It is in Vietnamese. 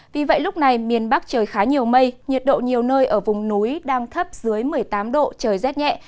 vì vậy lúc này miền bắc trời khá nhiều mây nhiệt độ nhiều nơi ở vùng núi đang thấp dưới một mươi tám độ trời rét nhẹ